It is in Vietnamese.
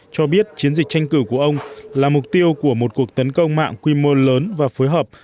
cho biết chiến dịch tranh cử của ông là mục tiêu của một cuộc tấn công mạng quy mô lớn và phối hợp